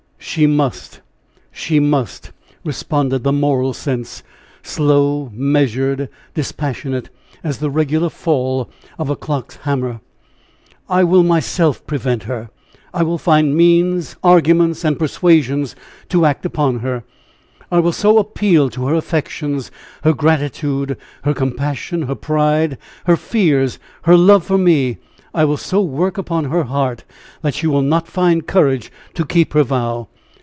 she must! she must, responded the moral sense, slow, measured, dispassionate, as the regular fall of a clock's hammer. "I will myself prevent her; I will find means, arguments and persuasions to act upon her. I will so appeal to her affections, her gratitude, her compassion, her pride, her fears, her love for me I will so work upon her heart that she will not find courage to keep her vow."